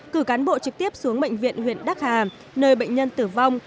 cử cán bộ trực tiếp xuống bệnh viện huyện đắc hà nơi bệnh nhân tử vong